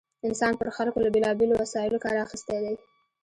انسان پر خلکو له بېلا بېلو وسایلو کار اخیستی دی.